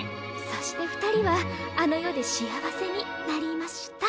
そして二人はあの世で幸せになりました。